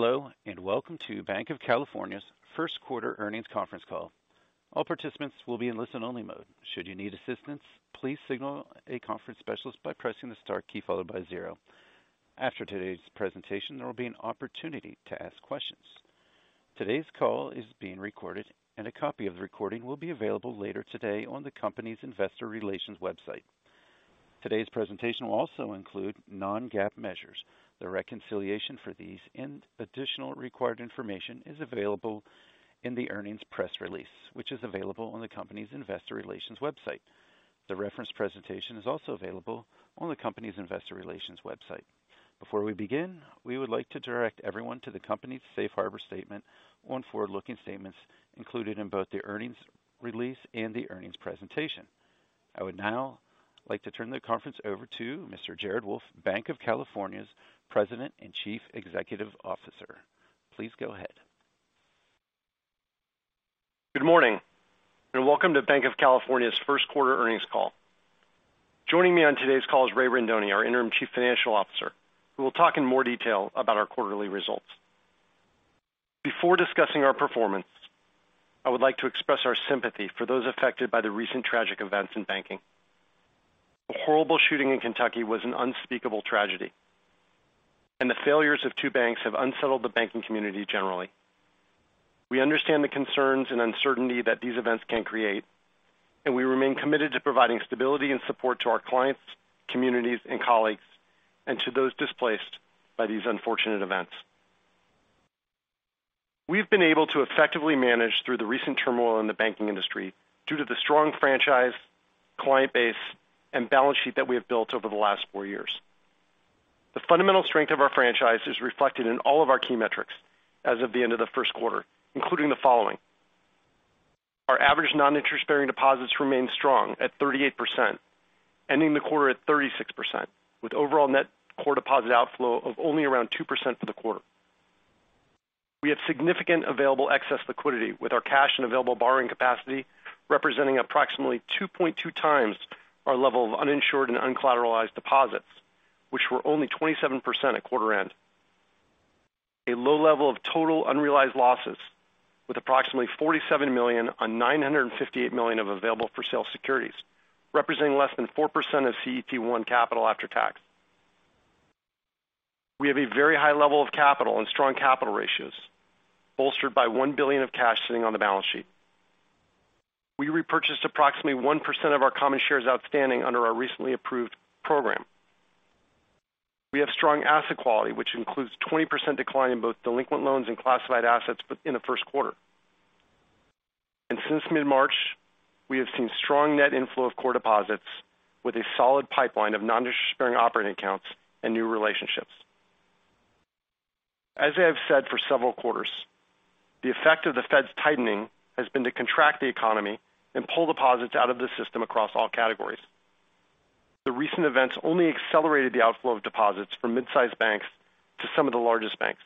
Hello, welcome to Banc of California's first quarter earnings conference call. All participants will be in listen-only mode. Should you need assistance, please signal a conference specialist by pressing the star key followed by zero. After today's presentation, there will be an opportunity to ask questions. Today's call is being recorded, and a copy of the recording will be available later today on the company's investor relations website. Today's presentation will also include non-GAAP measures. The reconciliation for these and additional required information is available in the earnings press release, which is available on the company's investor relations website. The reference presentation is also available on the company's investor relations website. Before we begin, we would like to direct everyone to the company's safe harbor statement on forward-looking statements included in both the earnings release and the earnings presentation. I would now like to turn the conference over to Mr. Jared Wolff, Banc of California's President and Chief Executive Officer. Please go ahead. Good morning, welcome to Banc of California's first quarter earnings call. Joining me on today's call is Raymond Rindone, our interim chief financial officer, who will talk in more detail about our quarterly results. Before discussing our performance, I would like to express our sympathy for those affected by the recent tragic events in banking. The horrible shooting in Kentucky was an unspeakable tragedy, and the failures of two banks have unsettled the banking community generally. We understand the concerns and uncertainty that these events can create, and we remain committed to providing stability and support to our clients, communities, and colleagues, and to those displaced by these unfortunate events. We've been able to effectively manage through the recent turmoil in the banking industry due to the strong franchise, client base, and balance sheet that we have built over the last four years. The fundamental strength of our franchise is reflected in all of our key metrics as of the end of the first quarter, including the following. Our average non-interest bearing deposits remain strong at 38%, ending the quarter at 36%, with overall net core deposit outflow of only around 2% for the quarter. We have significant available excess liquidity with our cash and available borrowing capacity, representing approximately 2.2x our level of uninsured and uncollateralized deposits, which were only 27% at quarter end. A low level of total unrealized losses with approximately $47 million on $958 million of available-for-sale securities, representing less than 4% of CET1 capital after tax. We have a very high level of capital and strong capital ratios, bolstered by $1 billion of cash sitting on the balance sheet. We repurchased approximately 1% of our common shares outstanding under our recently approved program. We have strong asset quality, which includes 20% decline in both delinquent loans and classified assets in the first quarter. Since mid-March, we have seen strong net inflow of core deposits with a solid pipeline of non-interest-bearing operating accounts and new relationships. As I have said for several quarters, the effect of the Fed's tightening has been to contract the economy and pull deposits out of the system across all categories. The recent events only accelerated the outflow of deposits from mid-sized banks to some of the largest banks.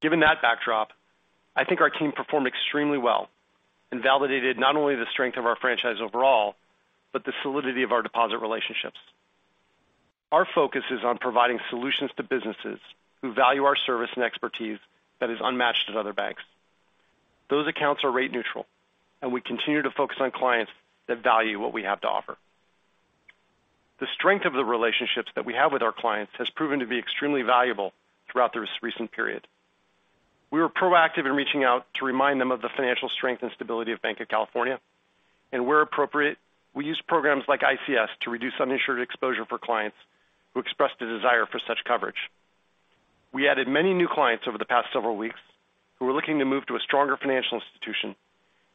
Given that backdrop, I think our team performed extremely well and validated not only the strength of our franchise overall, but the solidity of our deposit relationships. Our focus is on providing solutions to businesses who value our service and expertise that is unmatched at other banks. Those accounts are rate neutral, and we continue to focus on clients that value what we have to offer. The strength of the relationships that we have with our clients has proven to be extremely valuable throughout this recent period. We were proactive in reaching out to remind them of the financial strength and stability of Banc of California, and where appropriate, we used programs like ICS to reduce uninsured exposure for clients who expressed a desire for such coverage. We added many new clients over the past several weeks who are looking to move to a stronger financial institution,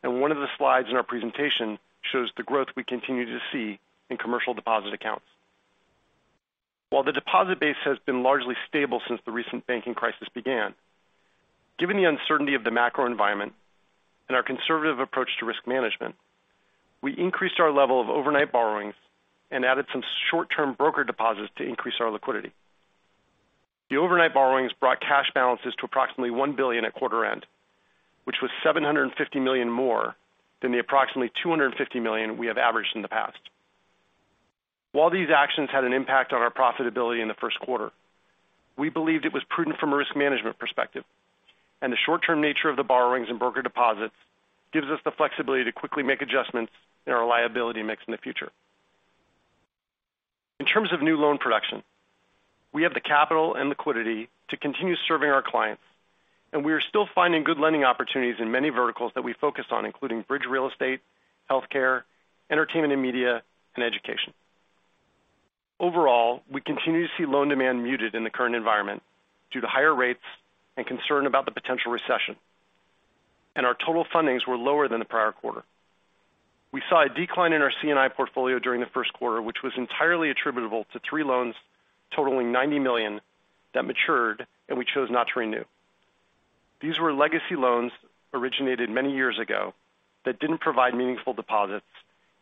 and one of the slides in our presentation shows the growth we continue to see in commercial deposit accounts. While the deposit base has been largely stable since the recent banking crisis began, given the uncertainty of the macro environment and our conservative approach to risk management, we increased our level of overnight borrowings and added some short-term broker deposits to increase our liquidity. The overnight borrowings brought cash balances to approximately $1 billion at quarter end, which was $750 million more than the approximately $250 million we have averaged in the past. While these actions had an impact on our profitability in the first quarter, we believed it was prudent from a risk management perspective, and the short-term nature of the borrowings and broker deposits gives us the flexibility to quickly make adjustments in our liability mix in the future. In terms of new loan production, we have the capital and liquidity to continue serving our clients, and we are still finding good lending opportunities in many verticals that we focus on, including bridge real estate, healthcare, entertainment and media, and education. Overall, we continue to see loan demand muted in the current environment due to higher rates and concern about the potential recession. Our total fundings were lower than the prior quarter. We saw a decline in our C&I portfolio during the first quarter, which was entirely attributable to three loans totaling $90 million that matured and we chose not to renew. These were legacy loans originated many years ago that didn't provide meaningful deposits,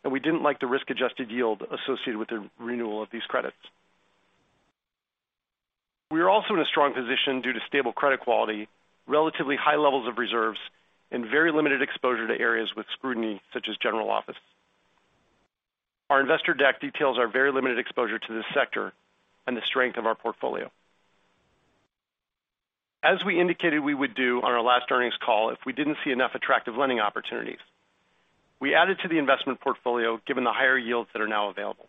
and we didn't like the risk-adjusted yield associated with the renewal of these credits. We are also in a strong position due to stable credit quality, relatively high levels of reserves, and very limited exposure to areas with scrutiny such as general office. Our investor deck details our very limited exposure to this sector and the strength of our portfolio. As we indicated we would do on our last earnings call if we didn't see enough attractive lending opportunities, we added to the investment portfolio given the higher yields that are now available.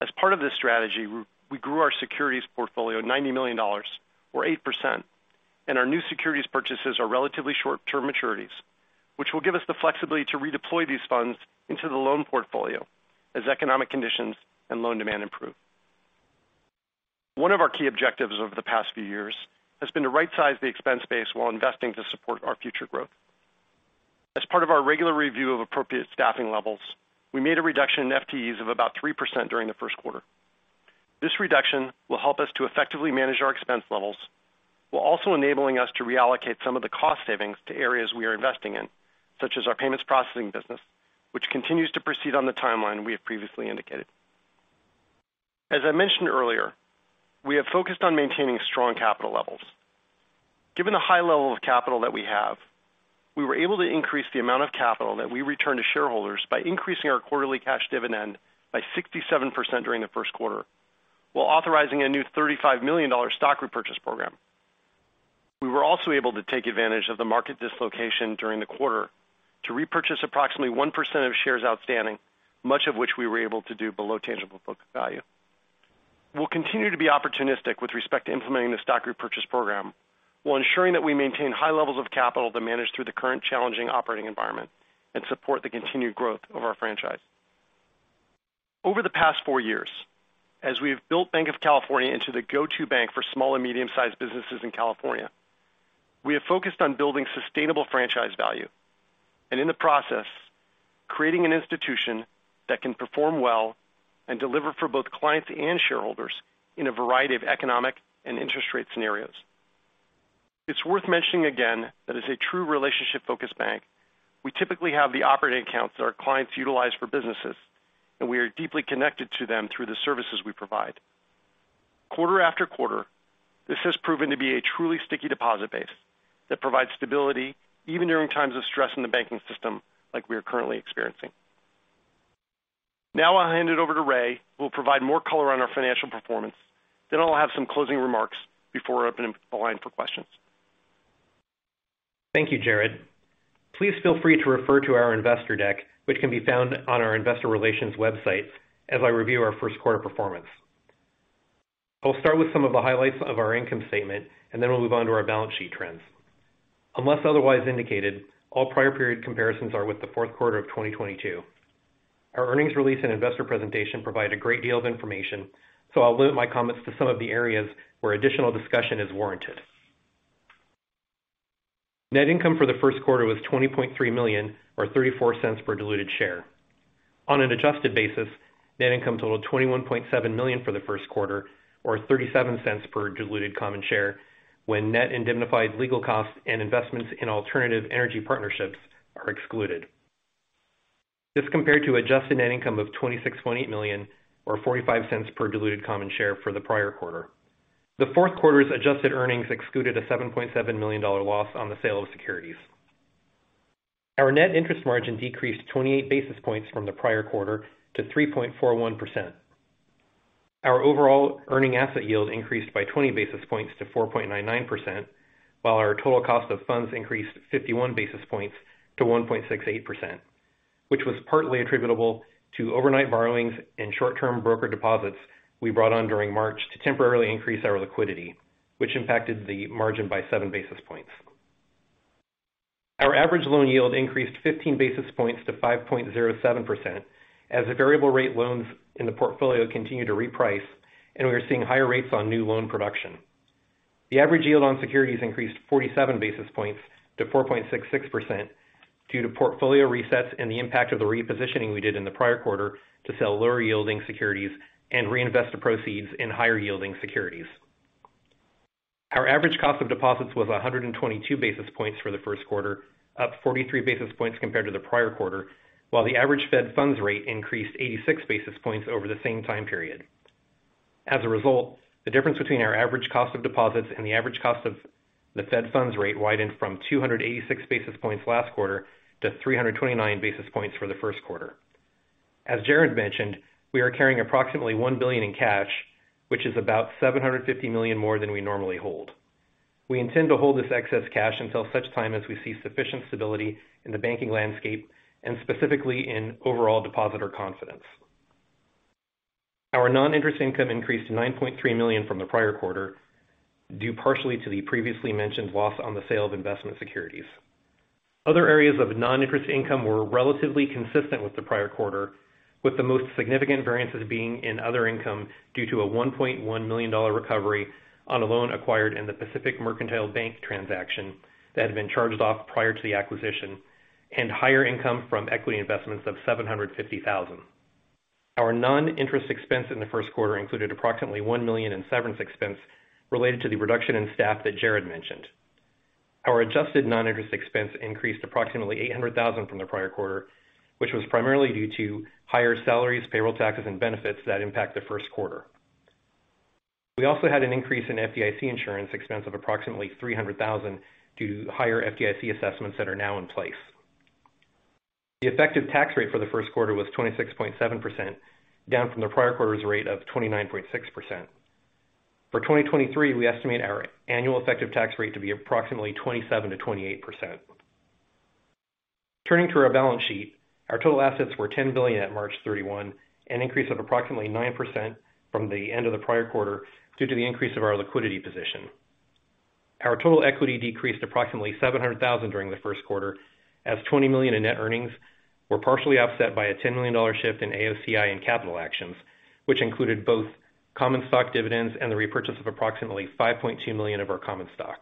As part of this strategy, we grew our securities portfolio $90 million or 8%, and our new securities purchases are relatively short-term maturities, which will give us the flexibility to redeploy these funds into the loan portfolio as economic conditions and loan demand improve. One of our key objectives over the past few years has been to right-size the expense base while investing to support our future growth. As part of our regular review of appropriate staffing levels, we made a reduction in FTEs of about 3% during the first quarter. This reduction will help us to effectively manage our expense levels while also enabling us to reallocate some of the cost savings to areas we are investing in, such as our payments processing business, which continues to proceed on the timeline we have previously indicated. As I mentioned earlier, we have focused on maintaining strong capital levels. Given the high level of capital that we have, we were able to increase the amount of capital that we return to shareholders by increasing our quarterly cash dividend by 67% during the first quarter while authorizing a new $35 million stock repurchase program. We were also able to take advantage of the market dislocation during the quarter to repurchase approximately 1% of shares outstanding, much of which we were able to do below tangible book value. We'll continue to be opportunistic with respect to implementing the stock repurchase program while ensuring that we maintain high levels of capital to manage through the current challenging operating environment and support the continued growth of our franchise. Over the past four years, as we have built Banc of California into the go-to bank for small and medium-sized businesses in California, we have focused on building sustainable franchise value and in the process, creating an institution that can perform well and deliver for both clients and shareholders in a variety of economic and interest rate scenarios. It's worth mentioning again that as a true relationship-focused bank, we typically have the operating accounts that our clients utilize for businesses, and we are deeply connected to them through the services we provide. Quarter after quarter, this has proven to be a truly sticky deposit base that provides stability even during times of stress in the banking system like we are currently experiencing. I'll hand it over to Ray, who will provide more color on our financial performance. I'll have some closing remarks before opening up the line for questions. Thank you, Jared. Please feel free to refer to our investor deck, which can be found on our investor relations websites as I review our first quarter performance. I'll start with some of the highlights of our income statement, and then we'll move on to our balance sheet trends. Unless otherwise indicated, all prior period comparisons are with the fourth quarter of 2022. Our earnings release and investor presentation provide a great deal of information, so I'll limit my comments to some of the areas where additional discussion is warranted. Net income for the first quarter was $20.3 million or $0.34 per diluted share. On an adjusted basis, net income totaled $21.7 million for the first quarter or $0.37 per diluted common share when net indemnified legal costs and investments in alternative energy partnerships are excluded. This compared to adjusted net income of $26.8 million or $0.45 per diluted common share for the prior quarter. The fourth quarter's adjusted earnings excluded a $7.7 million loss on the sale of securities. Our net interest margin decreased 28 basis points from the prior quarter to 3.41%. Our overall earning asset yield increased by 20 basis points to 4.99%, while our total cost of funds increased 51 basis points to 1.68%, which was partly attributable to overnight borrowings and short-term broker deposits we brought on during March to temporarily increase our liquidity, which impacted the margin by 7 basis points. Our average loan yield increased 15 basis points to 5.07% as the variable rate loans in the portfolio continue to reprice and we are seeing higher rates on new loan production. The average yield on securities increased 47 basis points to 4.66% due to portfolio resets and the impact of the repositioning we did in the prior quarter to sell lower yielding securities and reinvest the proceeds in higher yielding securities. Our average cost of deposits was 122 basis points for the first quarter, up 43 basis points compared to the prior quarter, while the average federal funds rate increased 86 basis points over the same time period. As a result, the difference between our average cost of deposits and the average cost of the federal funds rate widened from 286 basis points last quarter to 329 basis points for the first quarter. As Jared mentioned, we are carrying approximately $1 billion in cash, which is about $750 million more than we normally hold. We intend to hold this excess cash until such time as we see sufficient stability in the banking landscape and specifically in overall depositor confidence. Our non-interest income increased to $9.3 million from the prior quarter, due partially to the previously mentioned loss on the sale of investment securities. Other areas of non-interest income were relatively consistent with the prior quarter, with the most significant variances being in other income due to a $1.1 million recovery on a loan acquired in the Pacific Mercantile Bank transaction that had been charged off prior to the acquisition and higher income from equity investments of $750,000. Our non-interest expense in the first quarter included approximately $1 million in severance expense related to the reduction in staff that Jared mentioned. Our adjusted non-interest expense increased approximately $800,000 from the prior quarter, which was primarily due to higher salaries, payroll taxes, and benefits that impact the first quarter. We also had an increase in FDIC insurance expense of approximately $300,000 due to higher FDIC assessments that are now in place. The effective tax rate for the first quarter was 26.7%, down from the prior quarter's rate of 29.6%. For 2023, we estimate our annual effective tax rate to be approximately 27%-28%. Turning to our balance sheet. Our total assets were $10 billion at March 31, an increase of approximately 9% from the end of the prior quarter due to the increase of our liquidity position. Our total equity decreased approximately $700,000 during the first quarter as $20 million in net earnings were partially offset by a $10 million shift in AOCI and capital actions, which included both common stock dividends and the repurchase of approximately 5.2 million of our common stock.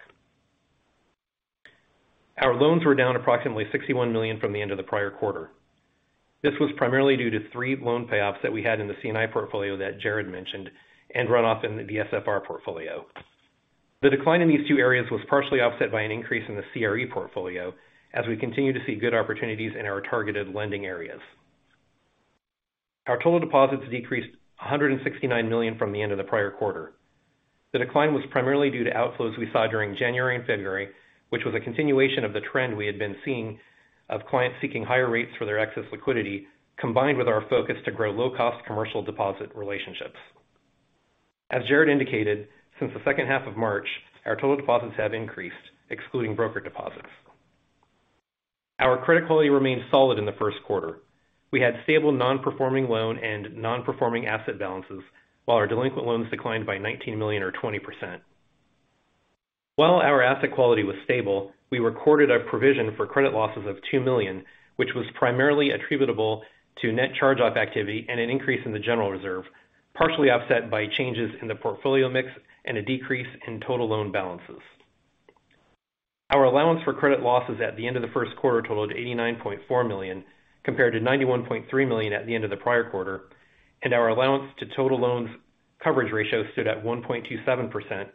Our loans were down approximately $61 million from the end of the prior quarter. This was primarily due to three loan payoffs that we had in the C&I portfolio that Jared mentioned and run off in the SFR portfolio. The decline in these two areas was partially offset by an increase in the CRE portfolio as we continue to see good opportunities in our targeted lending areas. Our total deposits decreased $169 million from the end of the prior quarter. The decline was primarily due to outflows we saw during January and February, which was a continuation of the trend we had been seeing of clients seeking higher rates for their excess liquidity, combined with our focus to grow low-cost commercial deposit relationships. As Jared indicated, since the second half of March, our total deposits have increased, excluding broker deposits. Our credit quality remained solid in the first quarter. We had stable non-performing loan and non-performing asset balances, while our delinquent loans declined by $19 million or 20%. While our asset quality was stable, we recorded a provision for credit losses of $2 million, which was primarily attributable to net charge-off activity and an increase in the general reserve, partially offset by changes in the portfolio mix and a decrease in total loan balances. Our allowance for credit losses at the end of the first quarter totaled $89.4 million, compared to $91.3 million at the end of the prior quarter, and our allowance to total loans coverage ratio stood at 1.27%,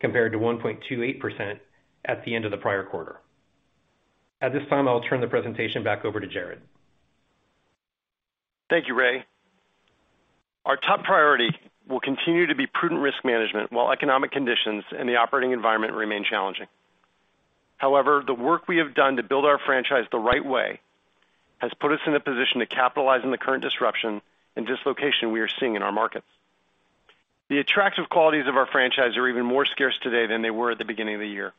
compared to 1.28% at the end of the prior quarter. At this time, I'll turn the presentation back over to Jared. Thank you, Ray. Our top priority will continue to be prudent risk management while economic conditions and the operating environment remain challenging. However, the work we have done to build our franchise the right way has put us in a position to capitalize on the current disruption and dislocation we are seeing in our markets. The attractive qualities of our franchise are even more scarce today than they were at the beginning of the year.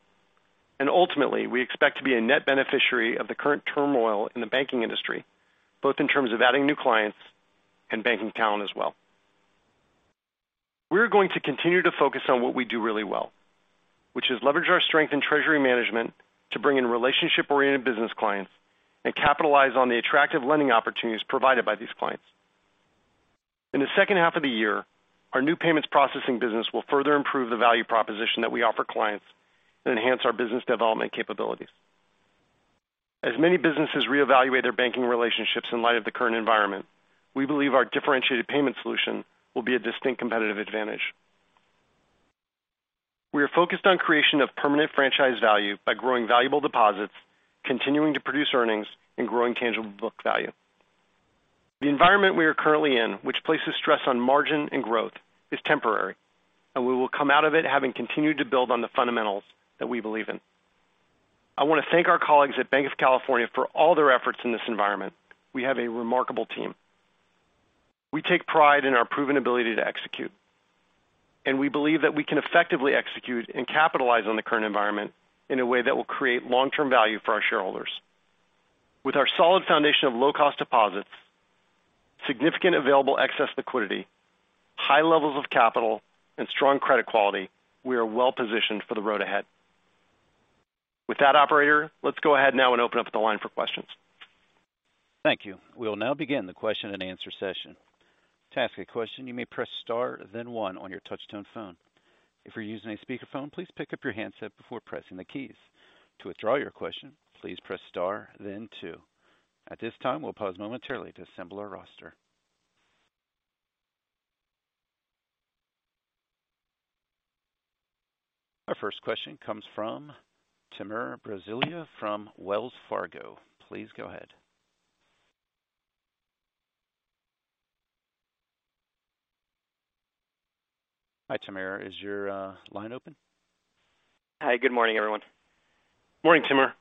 Ultimately, we expect to be a net beneficiary of the current turmoil in the banking industry, both in terms of adding new clients and banking talent as well. We're going to continue to focus on what we do really well, which is leverage our strength in treasury management to bring in relationship-oriented business clients and capitalize on the attractive lending opportunities provided by these clients. In the second half of the year, our new payments processing business will further improve the value proposition that we offer clients and enhance our business development capabilities. As many businesses reevaluate their banking relationships in light of the current environment, we believe our differentiated payment solution will be a distinct competitive advantage. We are focused on creation of permanent franchise value by growing valuable deposits, continuing to produce earnings, and growing tangible book value. The environment we are currently in, which places stress on margin and growth, is temporary, and we will come out of it having continued to build on the fundamentals that we believe in. I want to thank our colleagues at Banc of California for all their efforts in this environment. We have a remarkable team. We take pride in our proven ability to execute, and we believe that we can effectively execute and capitalize on the current environment in a way that will create long-term value for our shareholders. With our solid foundation of low-cost deposits, significant available excess liquidity, high levels of capital, and strong credit quality, we are well-positioned for the road ahead. With that, operator, let's go ahead now and open up the line for questions. Thank you. We'll now begin the question and answer session. To ask a question, you may press star then one on your touch-tone phone. If you're using a speakerphone, please pick up your handset before pressing the keys. To withdraw your question, please press star then two. At this time, we'll pause momentarily to assemble our roster. Our first question comes from Timur Braziler from Wells Fargo. Please go ahead. Hi, Timur. Is your line open? Hi. Good morning, everyone. Morning, Timur.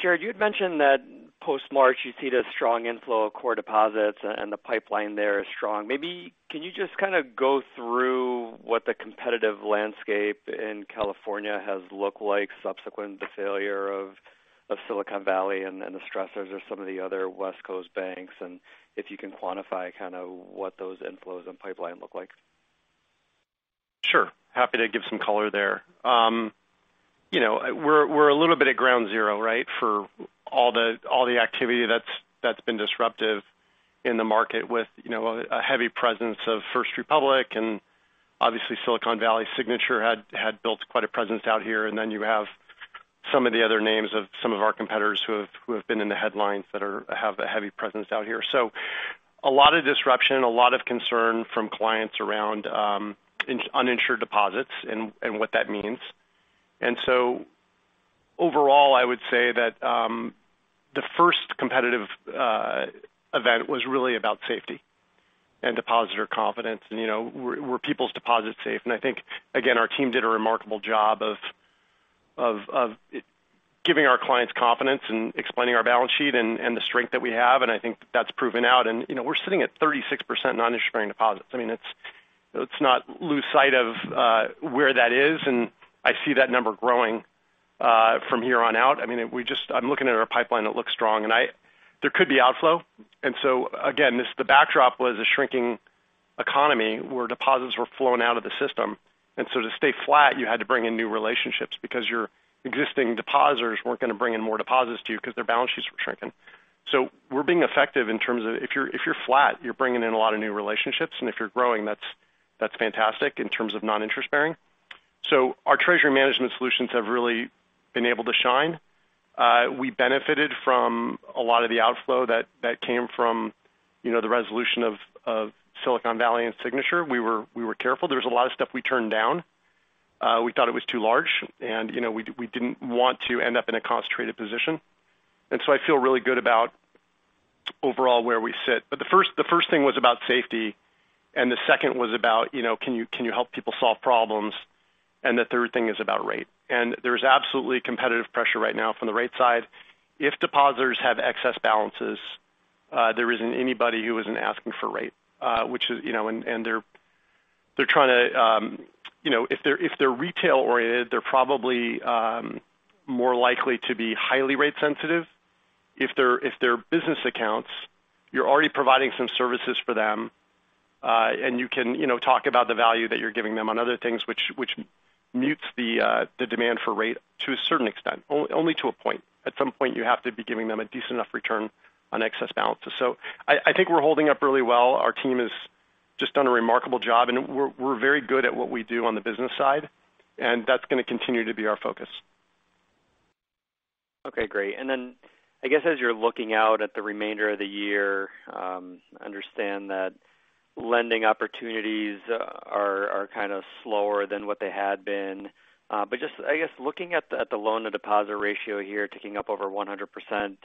Jared, you had mentioned that post-March, you've seen a strong inflow of core deposits and the pipeline there is strong. Maybe can you just kind of go through what the competitive landscape in California has looked like subsequent to the failure of Silicon Valley and the stressors of some of the other West Coast banks, and if you can quantify kind of what those inflows and pipeline look like? Sure. Happy to give some color there. You know, we're a little bit at ground zero, right, for all the activity that's been disruptive in the market with, you know, a heavy presence of First Republic and obviously Silicon Valley Signature had built quite a presence out here. Then you have some of the other names of some of our competitors who have been in the headlines that have a heavy presence out here. A lot of disruption, a lot of concern from clients around uninsured deposits and what that means. Overall, I would say that the first competitive event was really about safety and depositor confidence. You know, were people's deposits safe? I think, again, our team did a remarkable job of giving our clients confidence and explaining our balance sheet and the strength that we have. I think that's proven out. You know, we're sitting at 36% non-interest-bearing deposits. I mean, it's, let's not lose sight of where that is. I see that number growing from here on out. I mean, I'm looking at our pipeline, it looks strong. There could be outflow. Again, the backdrop was a shrinking economy where deposits were flowing out of the system. To stay flat, you had to bring in new relationships because your existing depositors weren't gonna bring in more deposits to you because their balance sheets were shrinking. We're being effective in terms of if you're flat, you're bringing in a lot of new relationships. If you're growing, that's fantastic in terms of non-interest bearing. Our treasury management solutions have really been able to shine. We benefited from a lot of the outflow that came from, you know, the resolution of Silicon Valley and Signature. We were careful. There was a lot of stuff we turned down. We thought it was too large, and, you know, we didn't want to end up in a concentrated position. I feel really good about overall where we sit. The first thing was about safety, and the second was about, you know, can you help people solve problems? The third thing is about rate. There's absolutely competitive pressure right now from the rate side. If depositors have excess balances, there isn't anybody who isn't asking for rate, which is, you know, and they're trying to, you know, if they're, if they're retail oriented, they're probably more likely to be highly rate sensitive. If they're, if they're business accounts, you're already providing some services for them, and you can, you know, talk about the value that you're giving them on other things which mutes the demand for rate to a certain extent, only to a point. At some point you have to be giving them a decent enough return on excess balances. I think we're holding up really well. Our team has just done a remarkable job. We're very good at what we do on the business side. That's gonna continue to be our focus. Okay, great. I guess as you're looking out at the remainder of the year, understand that lending opportunities are kind of slower than what they had been. Just I guess looking at the loan to deposit ratio here ticking up over 100%,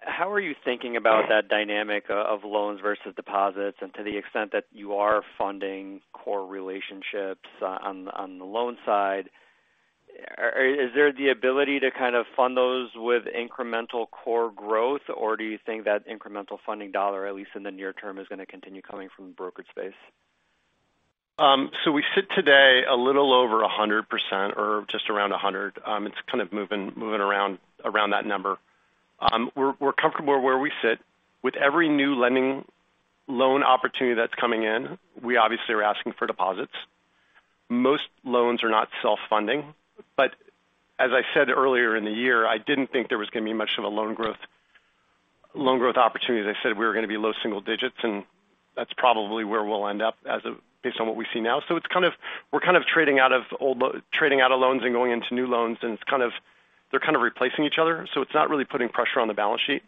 how are you thinking about that dynamic of loans versus deposits? To the extent that you are funding core relationships on the loan side, is there the ability to kind of fund those with incremental core growth, or do you think that incremental funding dollar, at least in the near term, is gonna continue coming from the brokerage space? We sit today a little over 100% or just around 100%. It's kind of moving around that number. We're comfortable where we sit. With every new lending loan opportunity that's coming in, we obviously are asking for deposits. Most loans are not self-funding. As I said earlier in the year, I didn't think there was gonna be much of a loan growth opportunity. As I said, we were gonna be low single digits, and that's probably where we'll end up based on what we see now. We're kind of trading out of loans and going into new loans, and they're kind of replacing each other. It's not really putting pressure on the balance sheet.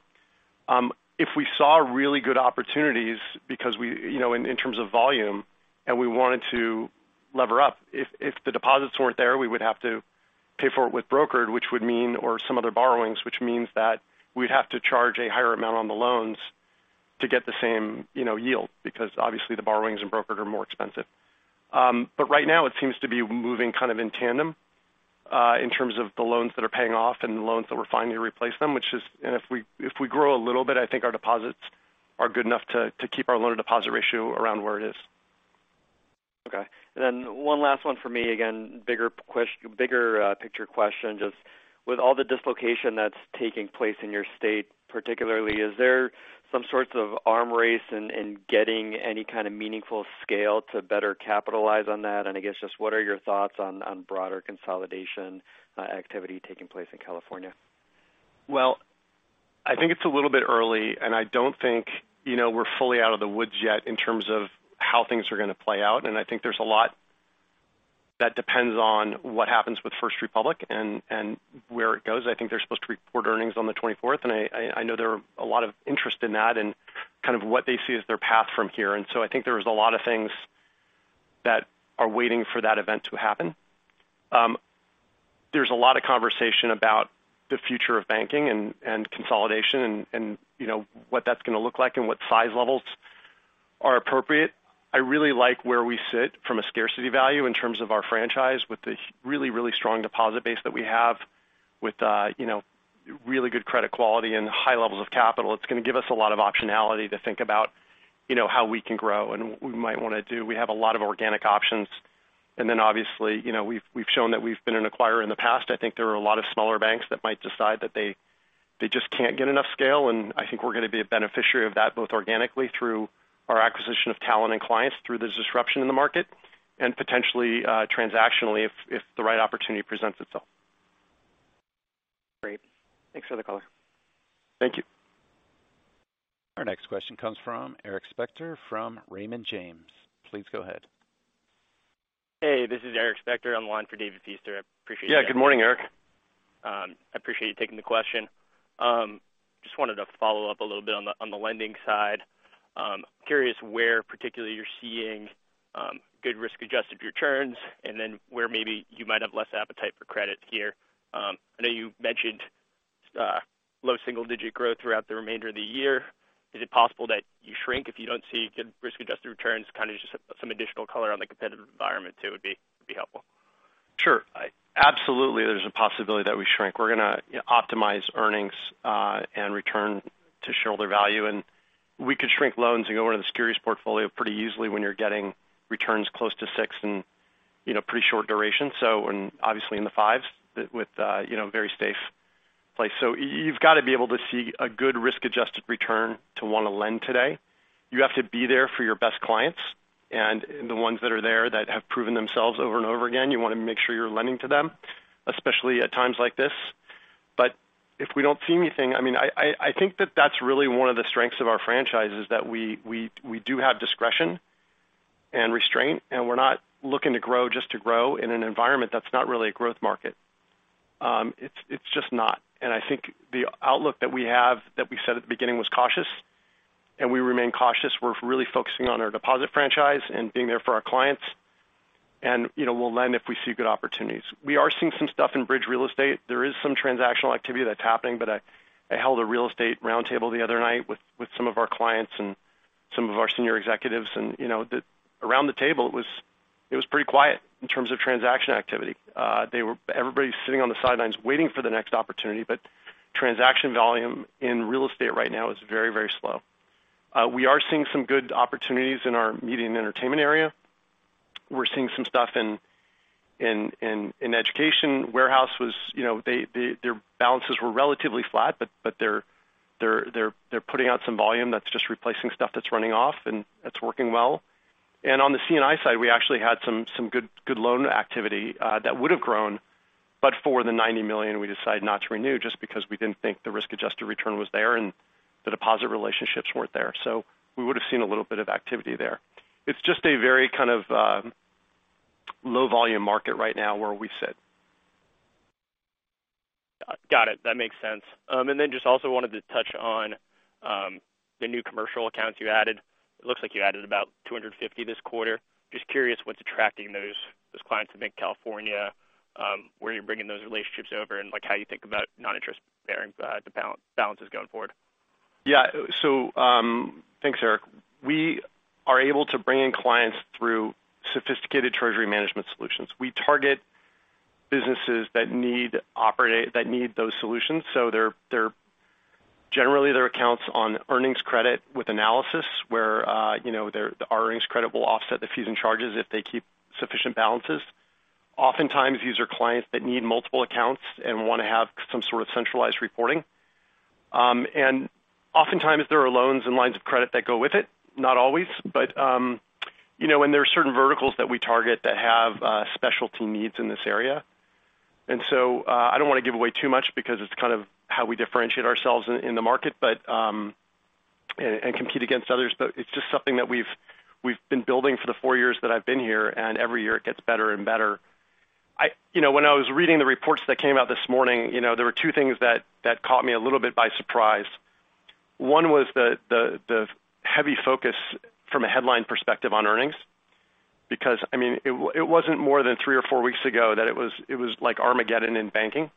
If we saw really good opportunities because we, you know, in terms of volume and we wanted to lever up, if the deposits weren't there, we would have to pay for it with brokered, which would mean or some other borrowings, which means that we'd have to charge a higher amount on the loans to get the same, you know, yield because obviously the borrowings and brokered are more expensive. Right now it seems to be moving kind of in tandem, in terms of the loans that are paying off and the loans that we're finally replacing them. If we grow a little bit, I think our deposits are good enough to keep our loan to deposit ratio around where it is. Okay. One last one for me. Again, bigger picture question. Just with all the dislocation that's taking place in your state particularly, is there some sorts of arm race in getting any kind of meaningful scale to better capitalize on that? I guess just what are your thoughts on broader consolidation, activity taking place in California? I think it's a little bit early, I don't think, you know, we're fully out of the woods yet in terms of how things are gonna play out. I think there's a lot that depends on what happens with First Republic and where it goes. I think they're supposed to report earnings on the 24th, and I know there are a lot of interest in that and kind of what they see as their path from here. I think there's a lot of things that are waiting for that event to happen. There's a lot of conversation about the future of banking and consolidation and you know, what that's gonna look like and what size levels are appropriate. I really like where we sit from a scarcity value in terms of our franchise with the really, really strong deposit base that we have with, you know, really good credit quality and high levels of capital. It's gonna give us a lot of optionality to think about, you know, how we can grow and what we might wanna do. We have a lot of organic options. Obviously, you know, we've shown that we've been an acquirer in the past. I think there are a lot of smaller banks that might decide that they just can't get enough scale. I think we're gonna be a beneficiary of that, both organically through our acquisition of talent and clients through this disruption in the market and potentially, transactionally if the right opportunity presents itself. Great. Thanks for the color. Thank you. Our next question comes from Eric Spector from Raymond James. Please go ahead. Hey, this is Eric Spector. I'm on the line for David Feaster. I appreciate you taking- Yeah. Good morning, Eric. I appreciate you taking the question. Just wanted to follow up a little bit on the, on the lending side. Curious where particularly you're seeing good risk-adjusted returns and then where maybe you might have less appetite for credit here. I know you mentioned low single-digit growth throughout the remainder of the year. Is it possible that you shrink if you don't see good risk-adjusted returns? Kinda just some additional color on the competitive environment too would be helpful. Sure. Absolutely, there's a possibility that we shrink. We're gonna optimize earnings, and return to shareholder value, and we could shrink loans and go into the securities portfolio pretty easily when you're getting returns close to six and, you know, pretty short duration. Obviously in the 5s with, you know, very safe place. You've gotta be able to see a good risk-adjusted return to wanna lend today. You have to be there for your best clients and the ones that are there that have proven themselves over and over again. You wanna make sure you're lending to them, especially at times like this. If we don't see anything, I mean, I think that's really one of the strengths of our franchise is that we do have discretion and restraint, and we're not looking to grow just to grow in an environment that's not really a growth market. It's, it's just not. I think the outlook that we have that we said at the beginning was cautious, and we remain cautious. We're really focusing on our deposit franchise and being there for our clients. You know, we'll lend if we see good opportunities. We are seeing some stuff in bridge real estate. There is some transactional activity that's happening. I held a real estate roundtable the other night with some of our clients and some of our senior executives. You know, around the table, it was pretty quiet in terms of transaction activity. Everybody's sitting on the sidelines waiting for the next opportunity, but transaction volume in real estate right now is very slow. We are seeing some good opportunities in our media and entertainment area. We're seeing some stuff in education. Warehouse was, you know, their balances were relatively flat, but they're putting out some volume that's just replacing stuff that's running off, and that's working well. On the C&I side, we actually had some good loan activity that would have grown, but for the $90 million, we decided not to renew just because we didn't think the risk-adjusted return was there and the deposit relationships weren't there. We would have seen a little bit of activity there. It's just a very kind of low volume market right now where we sit. Got it. That makes sense. Just also wanted to touch on the new commercial accounts you added. It looks like you added about 250 this quarter. Just curious what's attracting those clients, I think, California, where you're bringing those relationships over and, like, how you think about non-interest bearing balances going forward? Yeah. Thanks, Eric. We are able to bring in clients through sophisticated treasury management solutions. We target businesses that need those solutions. Generally, their accounts on earnings credit with analysis where, you know, our earnings credit will offset the fees and charges if they keep sufficient balances. Oftentimes, these are clients that need multiple accounts and wanna have some sort of centralized reporting. Oftentimes there are loans and lines of credit that go with it. Not always. You know, there are certain verticals that we target that have specialty needs in this area. I don't wanna give away too much because it's kind of how we differentiate ourselves in the market, but, and compete against others. It's just something that we've been building for the four years that I've been here, and every year it gets better and better. You know, when I was reading the reports that came out this morning, you know, there were two things that caught me a little bit by surprise. One was the heavy focus from a headline perspective on earnings. I mean, it wasn't more than three or four weeks ago that it was, it was like Armageddon in banking,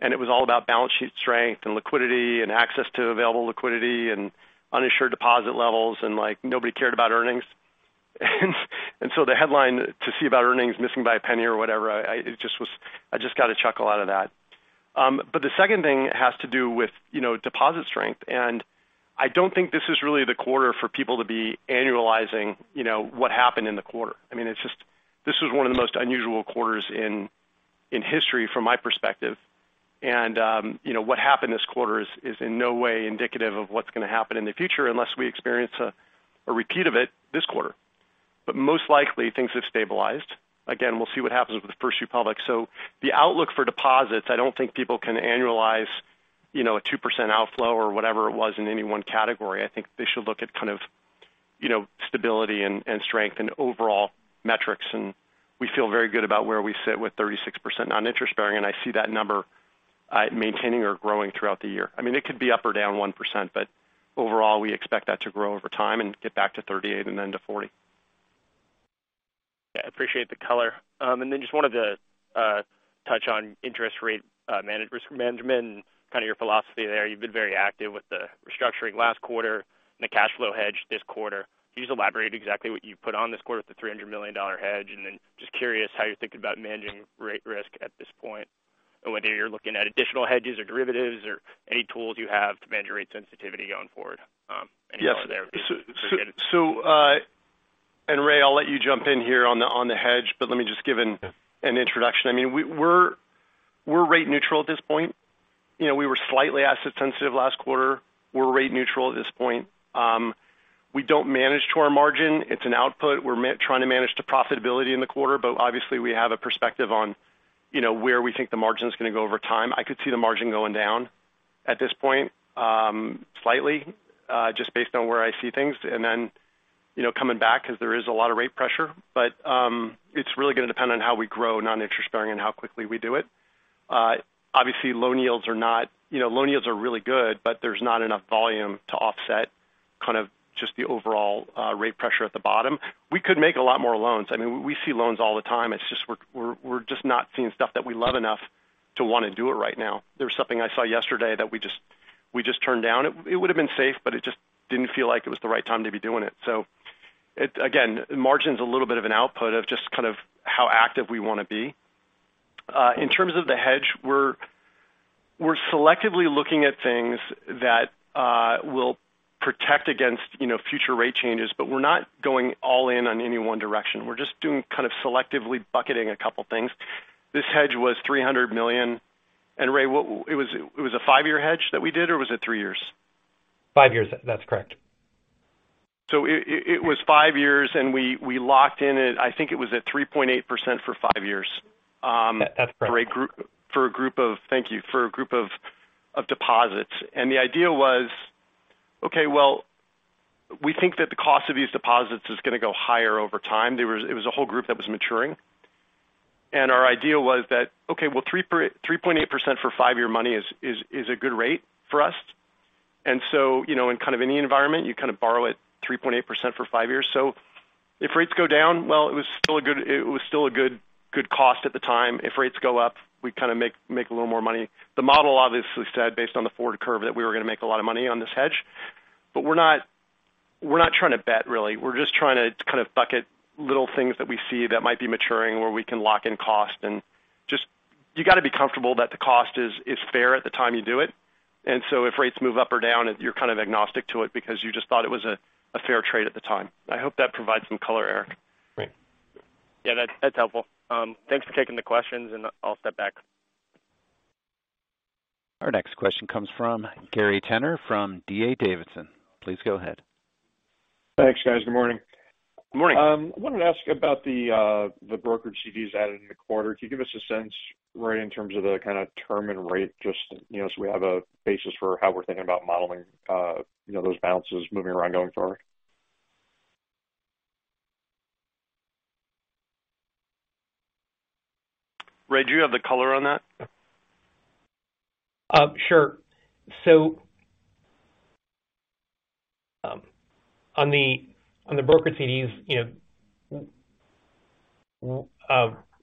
and it was all about balance sheet strength and liquidity and access to available liquidity and uninsured deposit levels, and, like, nobody cared about earnings. The headline to see about earnings missing by $0.01 or whatever, I just got a chuckle out of that. The second thing has to do with, you know, deposit strength. I don't think this is really the quarter for people to be annualizing, you know, what happened in the quarter. I mean, this was one of the most unusual quarters in history from my perspective. You know, what happened this quarter is in no way indicative of what's gonna happen in the future unless we experience a repeat of it this quarter. Most likely, things have stabilized. Again, we'll see what happens with the First Republic. The outlook for deposits, I don't think people can annualize, you know, a 2% outflow or whatever it was in any one category. I think they should look at kind of, you know, stability and strength and overall metrics. We feel very good about where we sit with 36% non-interest bearing. I see that number, maintaining or growing throughout the year. I mean, it could be up or down 1%. Overall, we expect that to grow over time and get back to 38 and then to 40. Yeah, appreciate the color. Just wanted to touch on interest rate risk management and kind of your philosophy there. You've been very active with the restructuring last quarter and the cash flow hedge this quarter. Can you just elaborate exactly what you put on this quarter with the $300 million hedge? Just curious how you're thinking about managing rate risk at this point, and whether you're looking at additional hedges or derivatives or any tools you have to manage your rate sensitivity going forward. Any thoughts there would be good. Yes. Ray, I'll let you jump in here on the hedge, but let me just give an introduction. I mean, we're rate neutral at this point. You know, we were slightly asset sensitive last quarter. We're rate neutral at this point. We don't manage to our margin. It's an output. We're trying to manage to profitability in the quarter, but obviously we have a perspective on, you know, where we think the margin's gonna go over time. I could see the margin going down at this point, slightly, just based on where I see things. You know, coming back because there is a lot of rate pressure, but it's really gonna depend on how we grow non-interest bearing and how quickly we do it. Obviously loan yields are not you know, loan yields are really good, but there's not enough volume to offset kind of just the overall rate pressure at the bottom. We could make a lot more loans. I mean, we see loans all the time. It's just we're just not seeing stuff that we love enough to wanna do it right now. There was something I saw yesterday that we just, we just turned down. It would have been safe, but it just didn't feel like it was the right time to be doing it. Again, margin's a little bit of an output of just kind of how active we wanna be. In terms of the hedge, we're selectively looking at things that will protect against, you know, future rate changes, but we're not going all in on any one direction. We're just doing kind of selectively bucketing a couple things. This hedge was $300 million. Ray, it was a five-year hedge that we did, or was it three years? Five years. That's correct. It was five years, and we locked in at I think it was at 3.8% for five years. That's correct. For a group, for a group of, thank you, for a group of deposits. The idea was, okay, well, we think that the cost of these deposits is gonna go higher over time. There was, it was a whole group that was maturing. Our idea was that, okay, well, 3.8% for five-year money is a good rate for us. You know, in kind of any environment, you kind of borrow at 3.8% for five years. If rates go down, well, it was still a good cost at the time. If rates go up, we kind of make a little more money. The model obviously said based on the forward curve that we were gonna make a lot of money on this hedge, but we're not, we're not trying to bet really. We're just trying to kind of bucket little things that we see that might be maturing where we can lock in cost. Just you gotta be comfortable that the cost is fair at the time you do it. If rates move up or down, you're kind of agnostic to it because you just thought it was a fair trade at the time. I hope that provides some color, Eric. Great. Yeah. That's helpful. Thanks for taking the questions, and I'll step back. Our next question comes from Gary Tenner from D.A. Davidson. Please go ahead. Thanks, guys. Good morning. Good morning. I wanted to ask about the brokerage CDs added in the quarter. Can you give us a sense, Ray, in terms of the kinda term and rate, just, you know, so we have a basis for how we're thinking about modeling, you know, those balances moving around going forward? Ray, do you have the color on that? Sure. On the broker CDs, you know,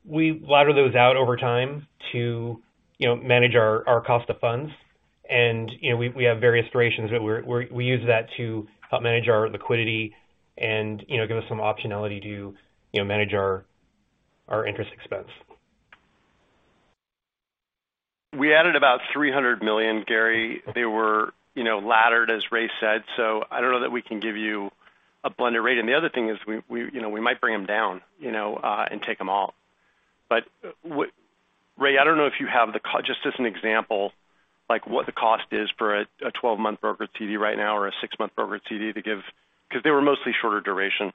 we ladder those out over time to, you know, manage our cost of funds. you know, we have various durations that we use that to help manage our liquidity and, you know, give us some optionality to, you know, manage our interest expense. We added about $300 million, Gary. They were, you know, laddered, as Ray said. I don't know that we can give you a blended rate. Ray, I don't know if you have just as an example, like what the cost is for a 12-month broker CD right now or a six-month broker CD 'cause they were mostly shorter duration.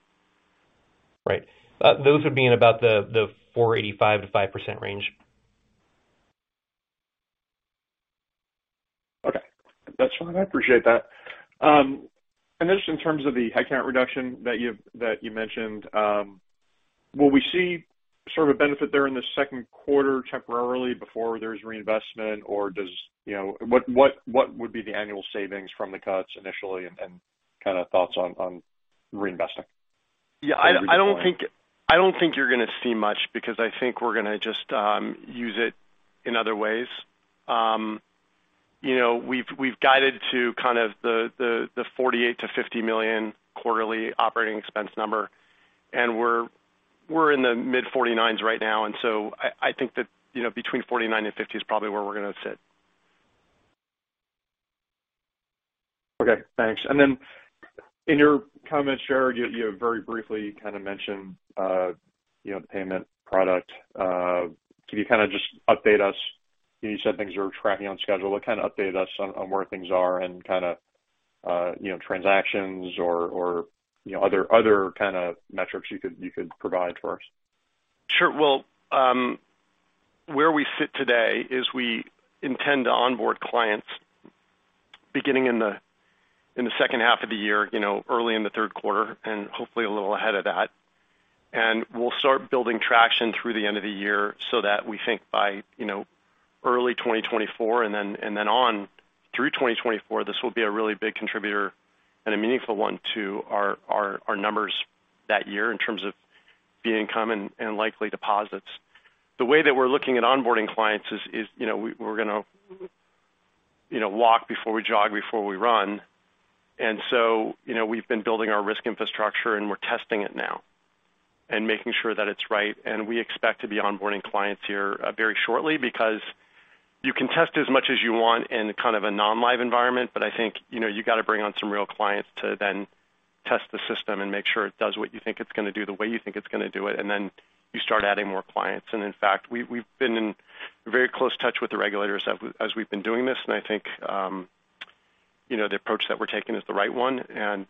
Right. those would be in about the 4.85%-5% range. Okay. That's fine. I appreciate that. Then just in terms of the head count reduction that you mentioned, will we see sort of a benefit there in the second quarter temporarily before there's reinvestment? You know, what would be the annual savings from the cuts initially and kind of thoughts on reinvesting? Yeah. I don't think you're gonna see much because I think we're gonna just use it in other ways. You know, we've guided to kind of the $48 million-$50 million quarterly operating expense number, and we're in the mid-$49 millions right now. I think that, you know, between $49 million and $50 million is probably where we're gonna sit. Okay. Thanks. In your comments, Jared, you very briefly kind of mentioned, you know, the payment product. Can you kind of just update us? You said things are tracking on schedule. What kind of update us on where things are and kind of, you know, transactions or, you know, other kind of metrics you could provide for us? Sure. Well, where we sit today is we intend to onboard clients beginning in the, in the second half of the year, you know, early in the third quarter and hopefully a little ahead of that. We'll start building traction through the end of the year so that we think by, you know, early 2024 and then, and then on through 2024, this will be a really big contributor and a meaningful one to our numbers that year in terms of fee income and likely deposits. The way that we're looking at onboarding clients is, you know, we're gonna, you know, walk before we jog, before we run. You know, we've been building our risk infrastructure and we're testing it now and making sure that it's right. We expect to be onboarding clients here, very shortly because you can test as much as you want in kind of a non-live environment, but I think, you know, you gotta bring on some real clients to then test the system and make sure it does what you think it's gonna do, the way you think it's gonna do it, and then you start adding more clients. In fact, we've been in very close touch with the regulators as we've been doing this, and I think, you know, the approach that we're taking is the right one. You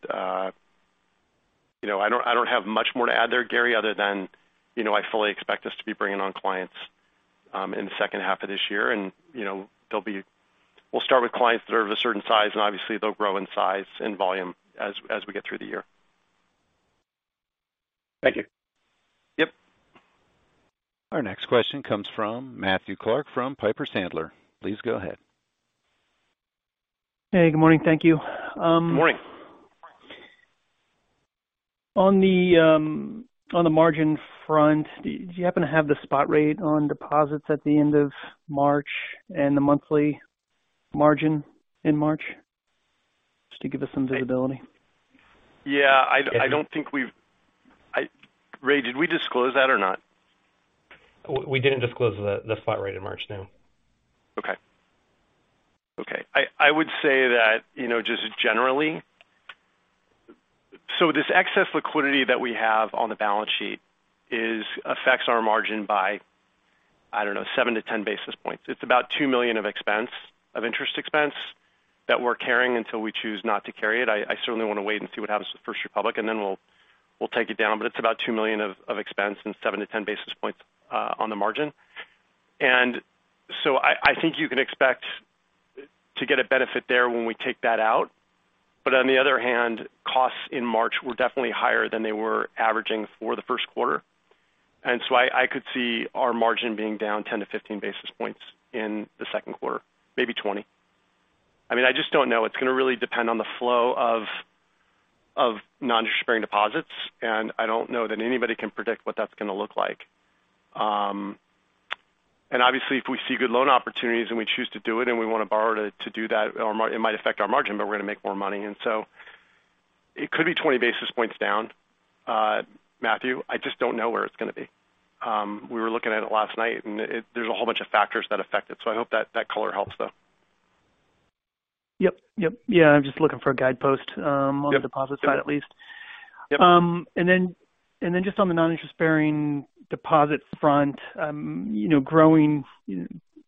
know, I don't have much more to add there, Gary, other than, you know, I fully expect us to be bringing on clients in the second half of this year. You know, We'll start with clients that are of a certain size, and obviously they'll grow in size and volume as we get through the year. Thank you. Yep. Our next question comes from Matthew Clark from Piper Sandler. Please go ahead. Hey, good morning. Thank you. Good morning. On the, on the margin front, do you happen to have the spot rate on deposits at the end of March and the monthly margin in March? Just to give us some visibility. Yeah. I don't think Ray, did we disclose that or not? We didn't disclose the spot rate in March, no. Okay. I would say that, you know, just generally. This excess liquidity that we have on the balance sheet affects our margin by, I don't know, 7-10 basis points. It's about $2 million of expense, of interest expense that we're carrying until we choose not to carry it. I certainly want to wait and see what happens with First Republic, and then we'll take it down. It's about $2 million of expense and 7-10 basis points on the margin. I think you can expect to get a benefit there when we take that out. On the other hand, costs in March were definitely higher than they were averaging for the first quarter. I could see our margin being down 10-15 basis points in the second quarter, maybe 20. I mean, I just don't know. It's going to really depend on the flow of non-interest-bearing deposits. I don't know that anybody can predict what that's going to look like. obviously, if we see good loan opportunities and we choose to do it and we want to borrow to do that, it might affect our margin, but we're going to make more money. It could be 20 basis points down, Matthew. I just don't know where it's going to be. We were looking at it last night, and there's a whole bunch of factors that affect it, so I hope that color helps, though. Yep. Yep. I'm just looking for a guidepost. Yep. On the deposit side at least. Yep. Just on the non-interest-bearing deposits front, you know,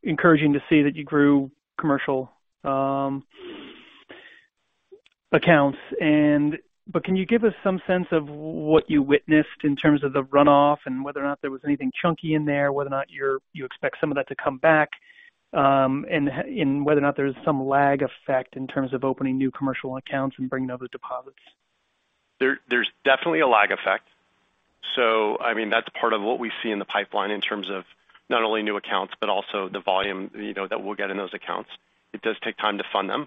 encouraging to see that you grew commercial accounts. Can you give us some sense of what you witnessed in terms of the runoff and whether or not there was anything chunky in there, whether or not you expect some of that to come back, and whether or not there's some lag effect in terms of opening new commercial accounts and bringing over deposits? There's definitely a lag effect. I mean, that's part of what we see in the pipeline in terms of not only new accounts, but also the volume, you know, that we'll get in those accounts. It does take time to fund them,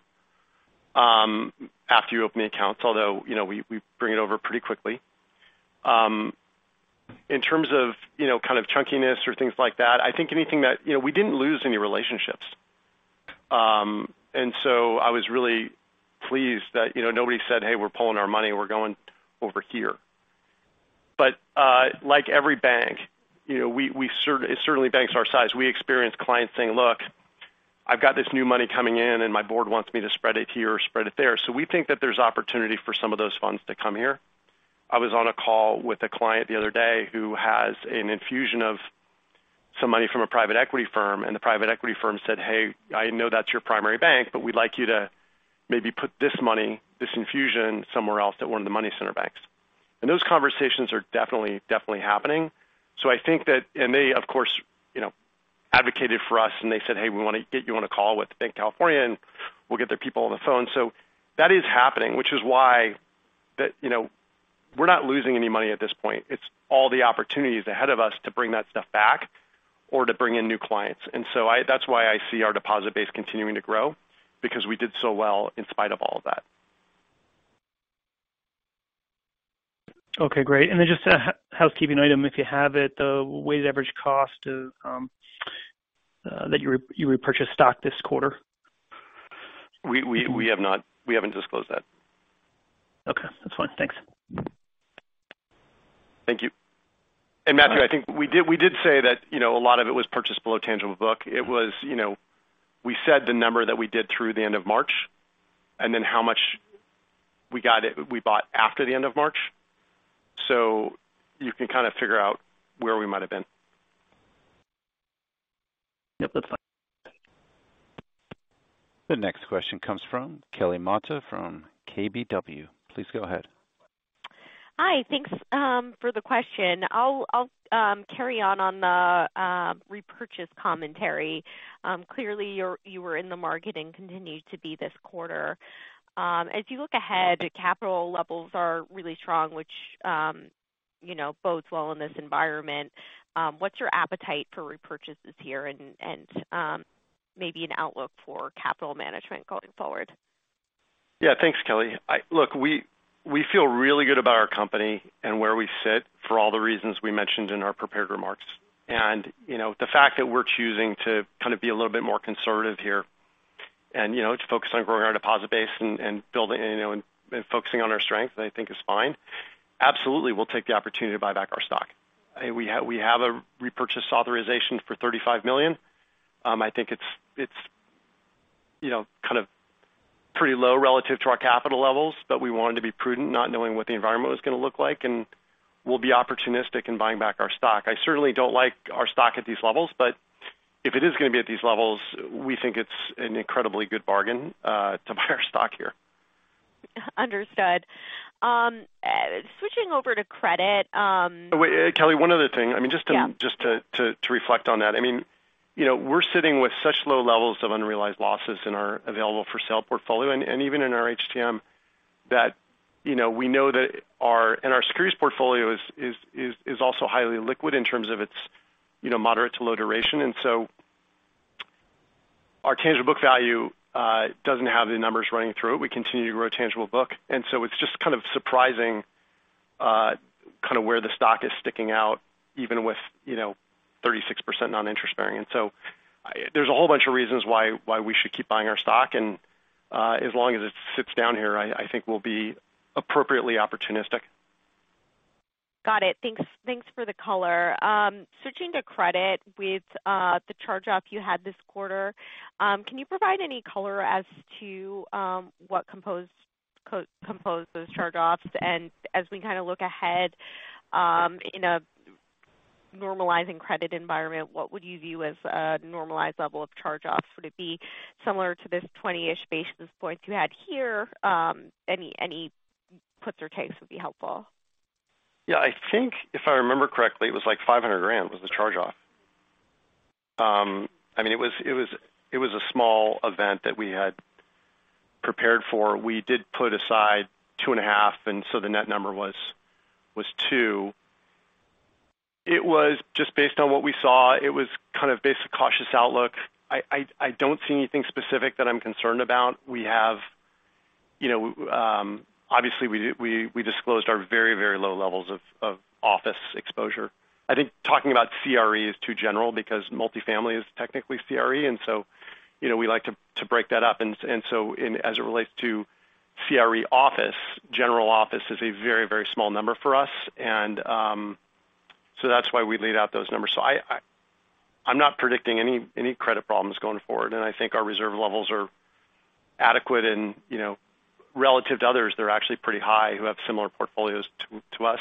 after you open the accounts, although, you know, we bring it over pretty quickly. In terms of, you know, kind of chunkiness or things like that, I think anything that. We didn't lose any relationships. I was really pleased that, you know, nobody said, "Hey, we're pulling our money." "We're going over here." like every bank, you know, we certainly banks our size, we experience clients saying, "Look, I've got this new money coming in, and my board wants me to spread it here or spread it there." We think that there's opportunity for some of those funds to come here. I was on a call with a client the other day who has an infusion of some money from a private equity firm, and the private equity firm said, "Hey, I know that's your primary bank, but we'd like you to maybe put this money, this infusion somewhere else at one of the money center banks." Those conversations are definitely happening. They, of course, you know, advocated for us and they said, "Hey, we want to get you on a call with Banc of California, and we'll get their people on the phone." That is happening, which is why that, you know, we're not losing any money at this point. It's all the opportunities ahead of us to bring that stuff back or to bring in new clients. That's why I see our deposit base continuing to grow because we did so well in spite of all of that. Okay, great. Just a housekeeping item, if you have it, the weighted average cost of that you repurchased stock this quarter? We haven't disclosed that. Okay, that's fine. Thanks. Thank you. Matthew, I think we did say that, you know, a lot of it was purchased below tangible book. It was, you know, we said the number that we did through the end of March and then how much we bought after the end of March. You can kind of figure out where we might've been. Yep, that's fine. The next question comes from Kelly Motta from KBW. Please go ahead. Hi. Thanks for the question. I'll carry on the repurchase commentary. Clearly, you were in the market and continue to be this quarter. As you look ahead, capital levels are really strong, which, you know, bodes well in this environment. What's your appetite for repurchases here and maybe an outlook for capital management going forward? Yeah. Thanks, Kelly. Look, we feel really good about our company and where we sit for all the reasons we mentioned in our prepared remarks. You know, the fact that we're choosing to kind of be a little bit more conservative here and, you know, to focus on growing our deposit base and building, you know, and focusing on our strength, I think is fine. Absolutely, we'll take the opportunity to buy back our stock. We have a repurchase authorization for $35 million. I think it's, you know, kind of pretty low relative to our capital levels, but we wanted to be prudent not knowing what the environment was going to look like, and we'll be opportunistic in buying back our stock. I certainly don't like our stock at these levels, but if it is going to be at these levels, we think it's an incredibly good bargain to buy our stock here. Understood. Switching over to credit. Wait, Kelly, one other thing. I mean. Yeah. Just to reflect on that. I mean, you know, we're sitting with such low levels of unrealized losses in our available-for-sale portfolio and even in our HTM that, you know, we know that and our securities portfolio is also highly liquid in terms of its, you know, moderate to low duration. Our tangible book value doesn't have the numbers running through it. We continue to grow tangible book, and so it's just kind of surprising kind of where the stock is sticking out even with, you know, 36% non-interest bearing. There's a whole bunch of reasons why we should keep buying our stock. As long as it sits down here, I think we'll be appropriately opportunistic. Got it. Thanks, thanks for the color. Switching to credit with the charge-off you had this quarter, can you provide any color as to what composed those charge-offs? As we kind of look ahead, in a normalizing credit environment, what would you view as a normalized level of charge-offs? Would it be similar to this 20-ish basis points you had here? Any puts or takes would be helpful. Yeah. I think if I remember correctly, it was like $500,000 was the charge-off. I mean, it was a small event that we had prepared for. We did put aside $2.5, and so the net number was $2. It was just based on what we saw. It was kind of based cautious outlook. I don't see anything specific that I'm concerned about. We have, you know, obviously we disclosed our very, very low levels of office exposure. I think talking about CRE is too general because multifamily is technically CRE. You know, we like to break that up. As it relates to CRE office, general office is a very, very small number for us. That's why we laid out those numbers. I'm not predicting any credit problems going forward, and I think our reserve levels are adequate and, you know, relative to others they're actually pretty high who have similar portfolios to us.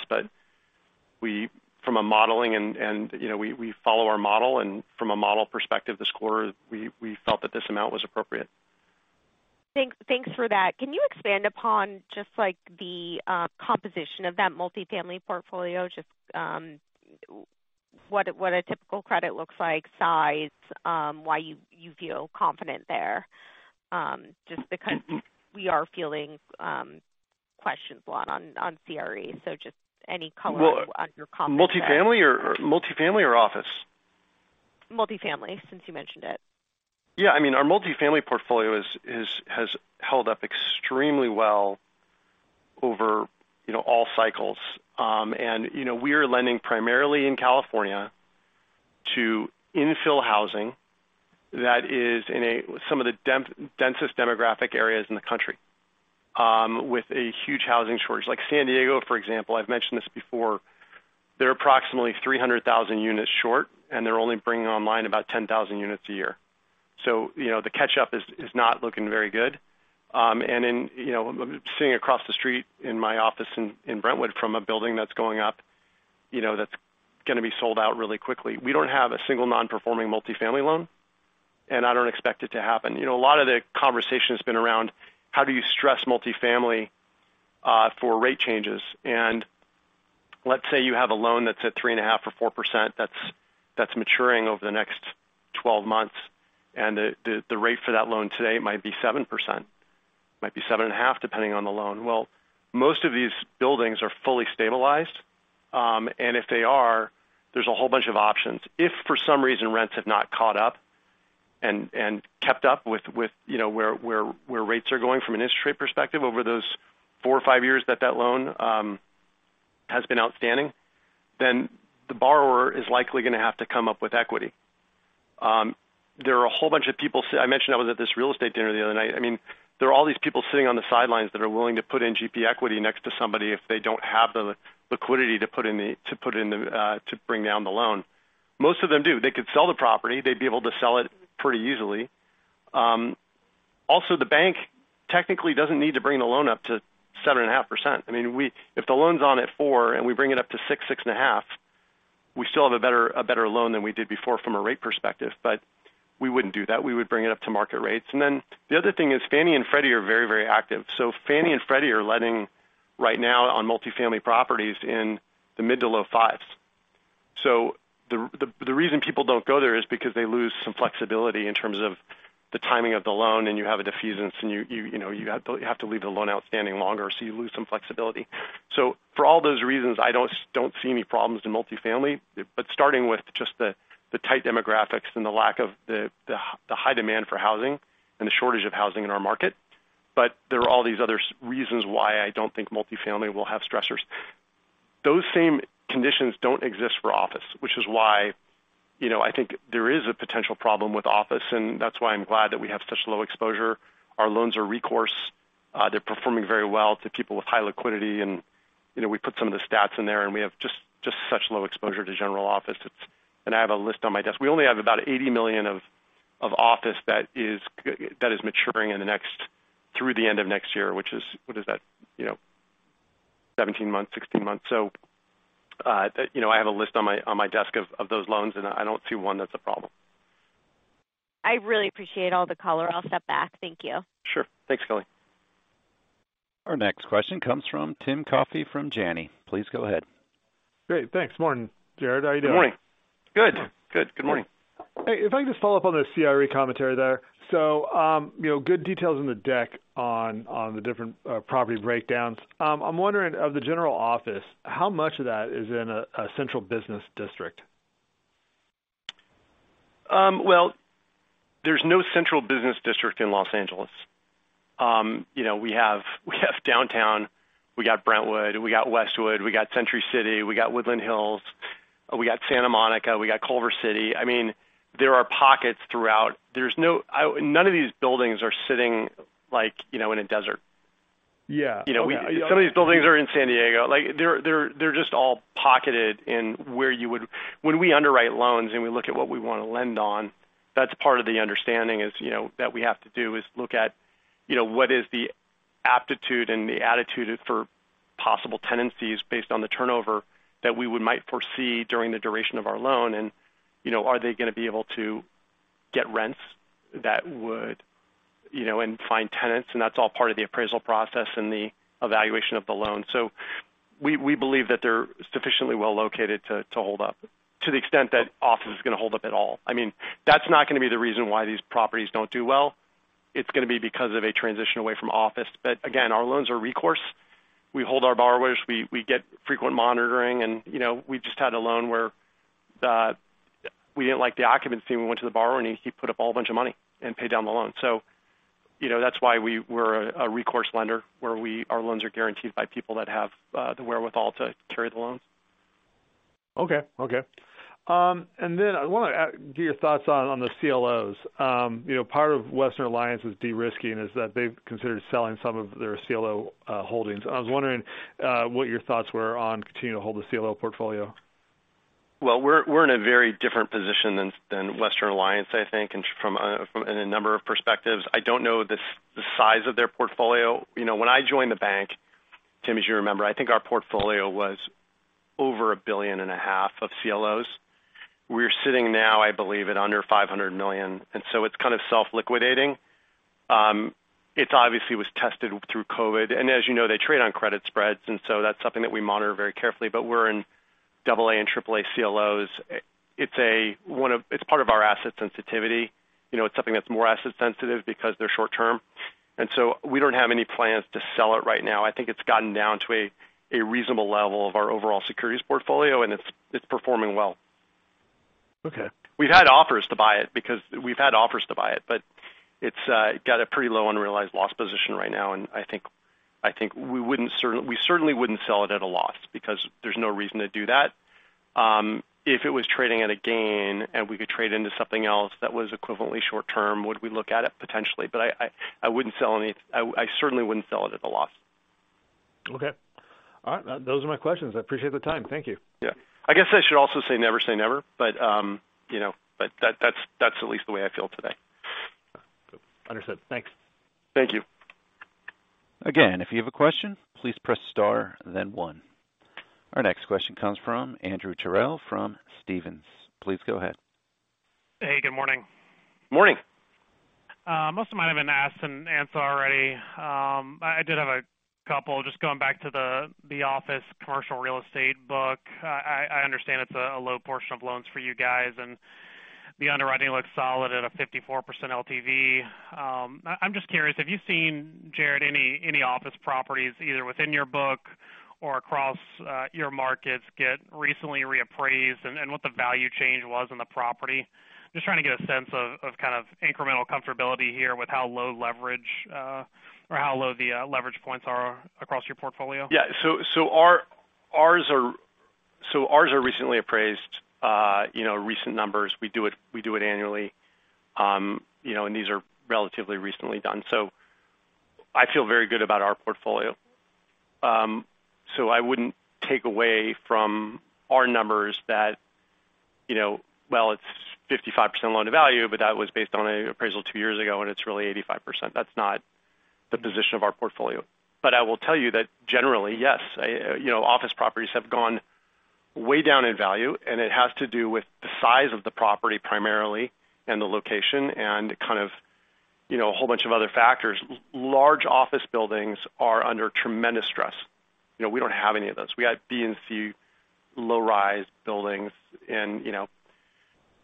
We from a modeling and, you know, we follow our model, and from a model perspective, this quarter we felt that this amount was appropriate. Thanks for that. Can you expand upon just like the composition of that multifamily portfolio? Just what a typical credit looks like, size, why you feel confident there? Just because we are feeling questions lot on CRE. Just any color on your confidence there. Well, multifamily or multifamily or office? Multifamily since you mentioned it. I mean, our multifamily portfolio has held up extremely well over, you know, all cycles. You know, we are lending primarily in California to infill housing that is in some of the densest demographic areas in the country, with a huge housing shortage. Like San Diego, for example. I've mentioned this before. They're approximately 300,000 units short, and they're only bringing online about 10,000 units a year. You know the catch up is not looking very good. In, you know, seeing across the street in my office in Brentwood from a building that's going up, you know, that's gonna be sold out really quickly. We don't have a single non-performing multifamily loan, and I don't expect it to happen. You know, a lot of the conversation has been around how do you stress multifamily for rate changes? Let's say you have a loan that's at 3.5% or 4% that's maturing over the next 12 months. The rate for that loan today might be 7%, might be 7.5% depending on the loan. Well, most of these buildings are fully stabilized. If they are, there's a whole bunch of options. If for some reason rents have not caught up and kept up with, you know, where rates are going from an industry perspective over those four or five years that that loan has been outstanding, then the borrower is likely gonna have to come up with equity. There are a whole bunch of people I mentioned I was at this real estate dinner the other night. I mean, there are all these people sitting on the sidelines that are willing to put in GP equity next to somebody if they don't have the liquidity to put in the, to bring down the loan. Most of them do. They could sell the property. They'd be able to sell it pretty easily. The bank technically doesn't need to bring the loan up to 7.5%. I mean, if the loan's on at 4% and we bring it up to 6.5%, we still have a better loan than we did before from a rate perspective. We wouldn't do that. We would bring it up to market rates. The other thing is Fannie and Freddie are very, very active. Fannie and Freddie are lending right now on multifamily properties in the mid to low 5s. The reason people don't go there is because they lose some flexibility in terms of the timing of the loan, and you have a defeasance, and you know, you have to leave the loan outstanding longer, so you lose some flexibility. For all those reasons, I don't see any problems in multifamily. Starting with just the tight demographics and the lack of the high demand for housing and the shortage of housing in our market. There are all these other reasons why I don't think multifamily will have stressors. Those same conditions don't exist for office, which is why, you know, I think there is a potential problem with office. That's why I'm glad that we have such low exposure. Our loans are recourse. They're performing very well to people with high liquidity. You know, we put some of the stats in there, and we have just such low exposure to general office. I have a list on my desk. We only have about $80 million of office that is maturing in the next through the end of next year, which is, what is that? You know, 17 months, 16 months. You know, I have a list on my desk of those loans, and I don't see one that's a problem. I really appreciate all the color. I'll step back. Thank you. Sure. Thanks, Kelly. Our next question comes from Tim Coffey from Janney. Please go ahead. Great. Thanks. Morning, Jared. How are you doing? Good morning. Good. Good morning. Hey, if I can just follow up on the CRE commentary there. You know, good details in the deck on the different property breakdowns. I'm wondering of the general office, how much of that is in a central business district? Well, there's no central business district in Los Angeles. You know, we have downtown, we got Brentwood, we got Westwood, we got Century City, we got Woodland Hills, we got Santa Monica, we got Culver City. I mean, there are pockets throughout. There's no none of these buildings are sitting like, you know, in a desert. Yeah. You know. Okay. Some of these buildings are in San Diego. Like, they're just all pocketed in. When we underwrite loans and we look at what we wanna lend on, that's part of the understanding is, you know, that we have to do is look at, you know, what is the aptitude and the attitude for possible tenancies based on the turnover that we would might foresee during the duration of our loan. You know, are they gonna be able to get rents that would, you know, and find tenants, and that's all part of the appraisal process and the evaluation of the loan. We believe that they're sufficiently well located to hold up to the extent that office is gonna hold up at all. I mean, that's not gonna be the reason why these properties don't do well. It's gonna be because of a transition away from office. Again, our loans are recourse. We hold our borrowers, we get frequent monitoring and, you know, we just had a loan where we didn't like the occupancy, and we went to the borrower, and he put up a whole bunch of money and paid down the loan. You know, that's why we were a recourse lender where our loans are guaranteed by people that have the wherewithal to carry the loans. Okay. Okay. Then I wanna get your thoughts on the CLOs. You know, part of Western Alliance's de-risking is that they've considered selling some of their CLO holdings. I was wondering what your thoughts were on continuing to hold the CLO portfolio. We're in a very different position than Western Alliance, I think, and from a number of perspectives. I don't know the size of their portfolio. You know, when I joined the bank, Tim, as you remember, I think our portfolio was over a billion and a half of CLOs. We're sitting now, I believe, at under $500 million, it's kind of self-liquidating. It obviously was tested through COVID. As you know, they trade on credit spreads, that's something that we monitor very carefully. We're in double A and triple A CLOs. It's part of our asset sensitivity. You know, it's something that's more asset sensitive because they're short term. We don't have any plans to sell it right now. I think it's gotten down to a reasonable level of our overall securities portfolio, and it's performing well. Okay. We've had offers to buy it because we've had offers to buy it, but it's got a pretty low unrealized loss position right now, and I think we certainly wouldn't sell it at a loss because there's no reason to do that. If it was trading at a gain and we could trade into something else that was equivalently short term, would we look at it potentially, but I certainly wouldn't sell it at a loss. Okay. All right. Those are my questions. I appreciate the time. Thank you. Yeah. I guess I should also say never say never, but, you know, but that's, that's at least the way I feel today. Understood. Thanks. Thank you. Again, if you have a question, please press star then one. Our next question comes from Andrew Terrell from Stephens. Please go ahead. Hey, good morning. Morning. Most of mine have been asked and answered already. I did have a couple just going back to the office commercial real estate book. I understand it's a low portion of loans for you guys, and the underwriting looks solid at a 54% LTV. I'm just curious, have you seen, Jared, any office properties, either within your book or across, your markets get recently reappraised and what the value change was on the property? Just trying to get a sense of kind of incremental comfortability here with how low leverage, or how low the, leverage points are across your portfolio. Yeah. Ours are recently appraised, you know, recent numbers. We do it annually. You know, these are relatively recently done. I feel very good about our portfolio. I wouldn't take away from our numbers that, you know, well, it's 55% loan to value, but that was based on an appraisal two years ago, and it's really 85%. That's not the position of our portfolio. I will tell you that generally, yes, you know, office properties have gone way down in value, it has to do with the size of the property primarily and the location and kind of, you know, a whole bunch of other factors. Large office buildings are under tremendous stress. You know, we don't have any of those. We have B and C low-rise buildings and, you know,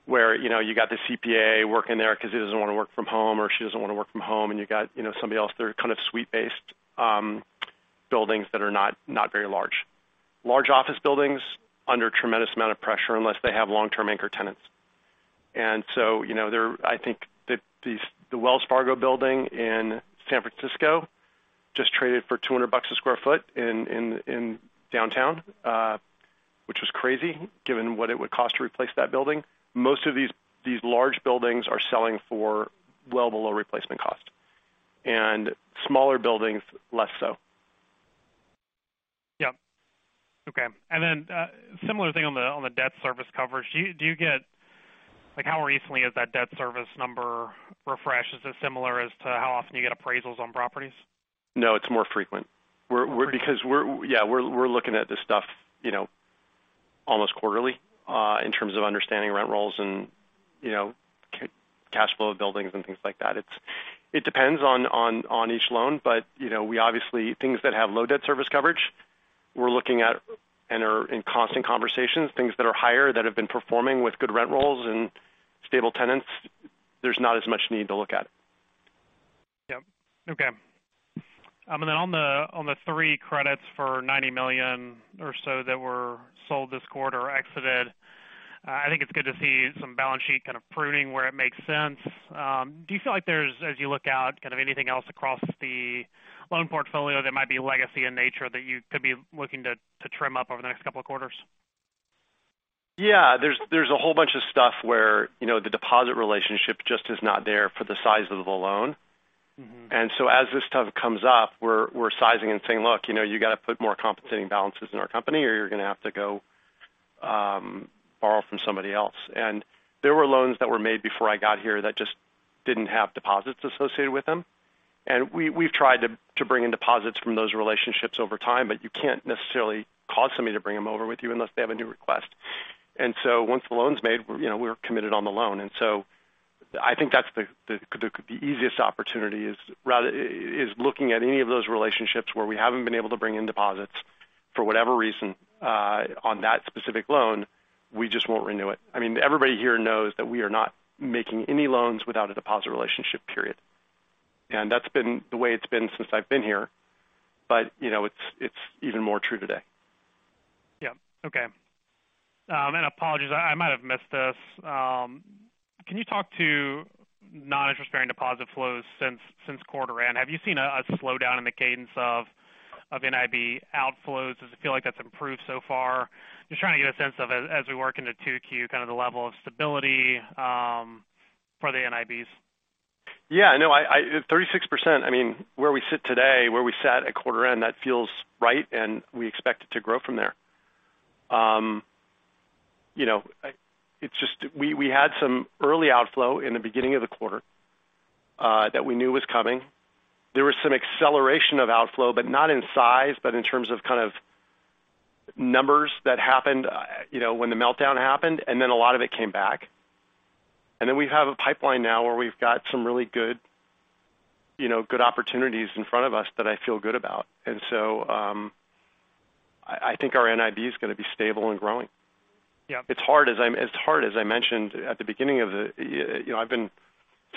where, you know, you got the CPA working there because he doesn't wanna work from home or she doesn't wanna work from home, and you got, you know, somebody else. They're kind of suite-based buildings that are not very large. Large office buildings, under a tremendous amount of pressure unless they have long-term anchor tenants. You know, I think that these the Wells Fargo building in San Francisco just traded for $200 a sq ft in downtown, which was crazy given what it would cost to replace that building. Most of these large buildings are selling for well below replacement cost, and smaller buildings, less so. Yeah. Okay. Similar thing on the, on the debt service coverage. Do you like, how recently is that debt service number refreshed? Is it similar as to how often you get appraisals on properties? No, it's more frequent. Yeah, we're looking at this stuff, you know. Almost quarterly in terms of understanding rent rolls and, you know, cash flow of buildings and things like that. It depends on each loan. You know, we obviously, things that have low debt service coverage, we're looking at and are in constant conversations. Things that are higher that have been performing with good rent rolls and stable tenants, there's not as much need to look at. Yep. Okay. Then on the, on the three credits for $90 million or so that were sold this quarter or exited, I think it's good to see some balance sheet kind of pruning where it makes sense. Do you feel like there's, as you look out, kind of anything else across the loan portfolio that might be legacy in nature that you could be looking to trim up over the next couple of quarters? Yeah. There's a whole bunch of stuff where, you know, the deposit relationship just is not there for the size of the loan. Mm-hmm. As this stuff comes up, we're sizing and saying, "Look, you know, you gotta put more compensating balances in our company or you're gonna have to go, borrow from somebody else." There were loans that were made before I got here that just didn't have deposits associated with them. We've tried to bring in deposits from those relationships over time, but you can't necessarily cause somebody to bring them over with you unless they have a new request. Once the loan's made, you know, we're committed on the loan. I think that's the easiest opportunity is rather, is looking at any of those relationships where we haven't been able to bring in deposits for whatever reason, on that specific loan. We just won't renew it. I mean, everybody here knows that we are not making any loans without a deposit relationship, period. That's been the way it's been since I've been here. You know, it's even more true today. Yeah. Okay. Apologies, I might have missed this. Can you talk to non-interest-bearing deposit flows since quarter end? Have you seen a slowdown in the cadence of NIB outflows? Does it feel like that's improved so far? Just trying to get a sense of as we work into 2Q, kind of the level of stability for the NIBs. Yeah. No. 36%, I mean, where we sit today, where we sat at quarter end, that feels right. We expect it to grow from there. you know, it's just we had some early outflow in the beginning of the quarter that we knew was coming. There was some acceleration of outflow, but not in size, but in terms of kind of numbers that happened, you know, when the meltdown happened. A lot of it came back. We have a pipeline now where we've got some really good, you know, good opportunities in front of us that I feel good about. I think our NIB is gonna be stable and growing. Yeah. It's hard, as I mentioned at the beginning of the, you know, I've been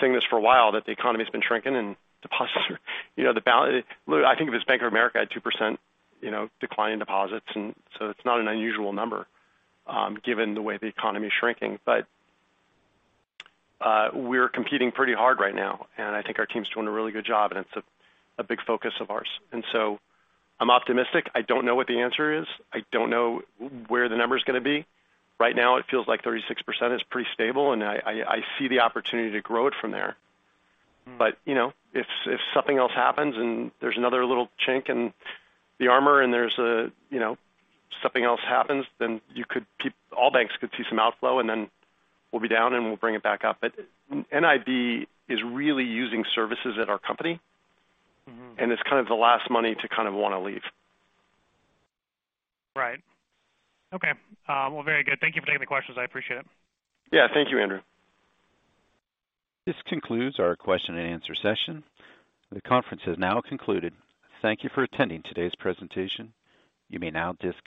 saying this for a while, that the economy has been shrinking and deposits are you know, I think it was Bank of America had 2%, you know, decline in deposits. It's not an unusual number, given the way the economy is shrinking. We're competing pretty hard right now, and I think our team's doing a really good job, and it's a big focus of ours. I'm optimistic. I don't know what the answer is. I don't know where the number is gonna be. Right now it feels like 36% is pretty stable, and I see the opportunity to grow it from there. You know, if something else happens and there's another little chink in the armor and there's a, you know, something else happens, then all banks could see some outflow and then we'll be down and we'll bring it back up. NIB is really using services at our company. Mm-hmm. It's kind of the last money to kind of wanna leave. Right. Okay. Well, very good. Thank you for taking the questions. I appreciate it. Yeah. Thank you, Andrew. This concludes our question and answer session. The conference has now concluded. Thank you for attending today's presentation. You may now disconnect.